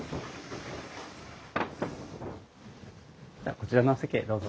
こちらのお席へどうぞ。